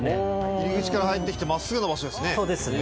入り口から入ってきて真っすぐの場所ですね。